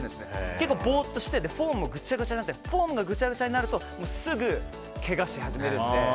結構ボーっとしてフォームもぐちゃぐちゃになってフォームがぐちゃぐちゃになるとすぐ、けがし始めるので。